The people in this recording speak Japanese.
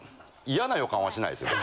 イヤな予感はしないですよ